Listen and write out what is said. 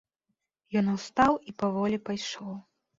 Ён устаў і паволі пайшоў.